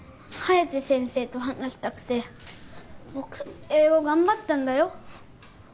颯先生と話したくて僕英語頑張ったんだよ